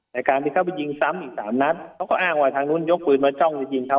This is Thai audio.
ในการที่เข้าไปยิงซ้ำอีกสามนัดเขาก็อ้างว่าทางนู้นยกปืนมาจ้องจะยิงเขา